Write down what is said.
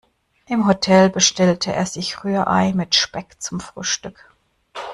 Im Hotel bestellte er sich Rührei mit Speck zum Frühstück.